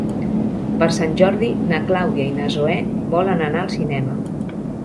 Per Sant Jordi na Clàudia i na Zoè volen anar al cinema.